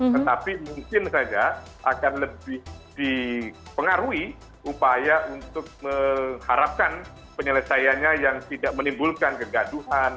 tetapi mungkin saja akan lebih dipengaruhi upaya untuk mengharapkan penyelesaiannya yang tidak menimbulkan kegaduhan